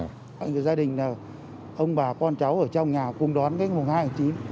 những gia đình là ông bà con cháu ở trong nhà cùng đón cái mùng hai tháng chín